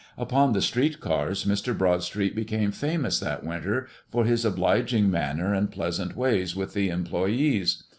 Upon the street cars Mr. Broadstreet became famous that winter for his obliging manner and pleasant ways with the employees.